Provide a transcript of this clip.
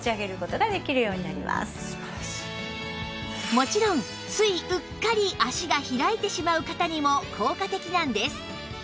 もちろんついうっかり脚が開いてしまう方にも効果的なんです